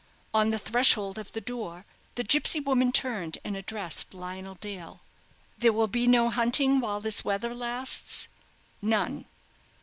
On the threshold of the door the gipsy woman turned and addressed Lionel Dale "There will be no hunting while this weather lasts." "None."